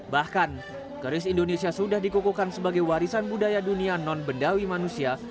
bahkan keris indonesia sudah dikukukan sebagai warisan budaya dunia non bendawi manusia